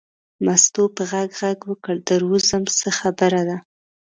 مستو په غږ غږ وکړ در وځم څه خبره ده.